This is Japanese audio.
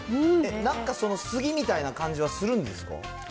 なんかその杉みたいな感じはするんですか。